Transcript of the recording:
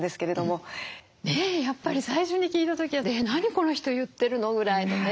ねえやっぱり最初に聞いた時は「えっ何この人言ってるの？」ぐらいのね。